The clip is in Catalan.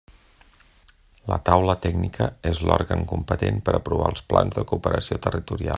La Taula Tècnica és l'òrgan competent per aprovar els plans de cooperació territorial.